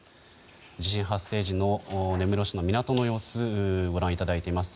地震発生時の根室市の港の様子をご覧いただきました。